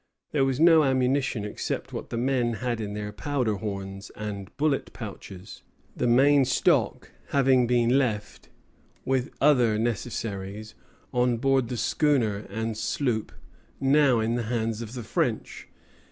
There was no ammunition except what the men had in their powder horns and bullet pouches, the main stock having been left, with other necessaries, on board the schooner and sloop now in the hands of the French.